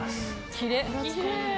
きれい。